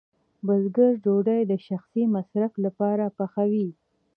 بزګر ډوډۍ د شخصي مصرف لپاره پخوي.